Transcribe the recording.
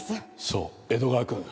そう江戸川くん。